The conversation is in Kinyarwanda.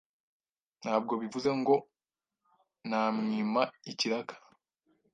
ntabwo bivuze ngo nta mwima ikiraka